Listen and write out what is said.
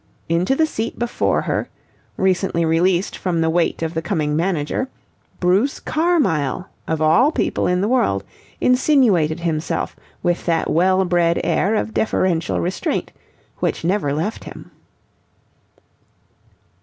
Into the seat before her, recently released from the weight of the coming manager, Bruce Carmyle of all people in the world insinuated himself with that well bred air of deferential restraint which never left him.